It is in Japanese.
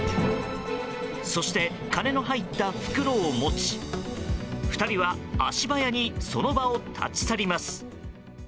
そして、金の入った袋を持ち２人は足早にその場を立ち去ります。